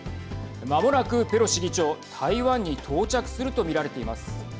まもなくペロシ議長、台湾に到着すると見られています。